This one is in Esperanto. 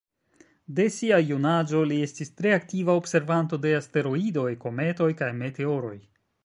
De sia junaĝo, li estis tre aktiva observanto de asteroidoj, kometoj, kaj meteoroj.